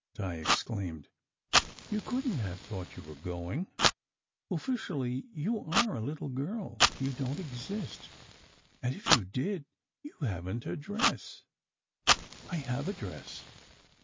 Di exclaimed. "You couldn t have thought you were going? Officially you are a little girl. You don t exist, and if you did, you haven t a dress " I have a dress.